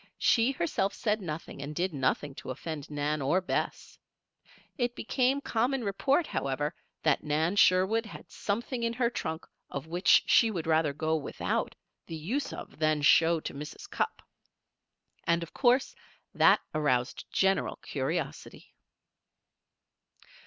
She herself said nothing and did nothing to offend Nan or Bess. It became common report, however, that Nan Sherwood had something in her trunk of which she would rather go without the use than show to Mrs. Cupp. And, of course, that aroused general curiosity.